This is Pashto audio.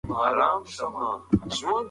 سپی د غلام د لوړ همت یوازینی خاموش شاهد و.